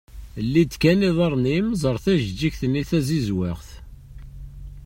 Ldi kan iḍarren-im ẓer tajeğğigt-nni tazizwaɣt.